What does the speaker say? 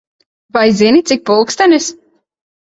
Vai zini, cik pulkstenis?